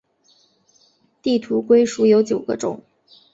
地图龟属有九个种。